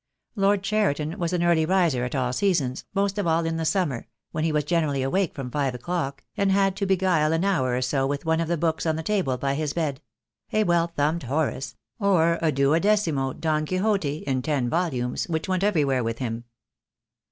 Lord Cheriton was an early riser at all seasons, most of all in the summer, when he was generally awake from five o'clock, and had to be guile an hour or so with one of the books on the table by his bed — a well thumbed "Horace" or a duodecimo "Don Quixote," in ten volumes, which went everywhere with him.